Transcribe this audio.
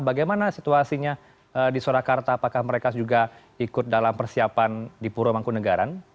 bagaimana situasinya di surakarta apakah mereka juga ikut dalam persiapan di puro mangkunagaran